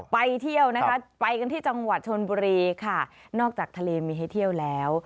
ไปเที่ยวนะคะไปกันที่จังหวัดชนบุรีค่ะนอกจากทะเลมีให้เที่ยวแล้ว